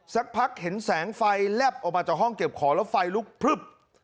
สักพักเห็นแสงไฟแลบออกมาจากห้องเก็บของแล้วไฟลุกพลึบ